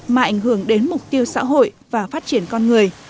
mà ảnh hưởng đến mục tiêu xã hội và phát triển con người